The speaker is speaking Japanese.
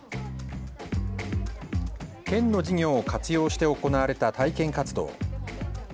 県の事業を活用して行われた体験活動。